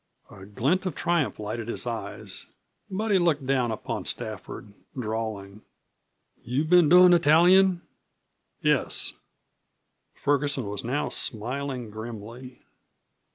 A glint of triumph lighted his eyes, but he looked down upon Stafford, drawling: "You been doin' the tallyin'?" "Yes." Ferguson was now smiling grimly.